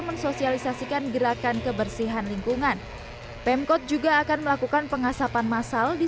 mensosialisasikan gerakan kebersihan lingkungan pemkot juga akan melakukan pengasapan masal di